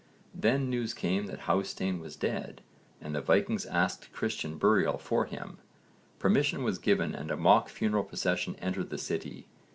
Then news came that Hásteinn was dead and the Vikings asked Christian burial for him. Permission was given and a mock funeral procession entered the city.